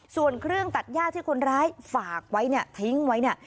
ส่วนเครื่องตัดย่าที่คนร้ายฝากไว้เนี่ยทิ้งไว้เนี่ย